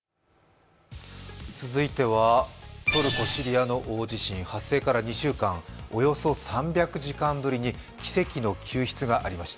続いてはトルコ・シリアの大地震、発生から２週間、およそ３００時間ぶりに奇跡の救出がありました。